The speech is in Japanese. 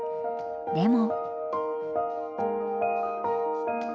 でも。